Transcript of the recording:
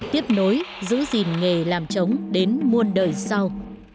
tiếp nối giữ gìn nghề làm trống đến muôn đời sau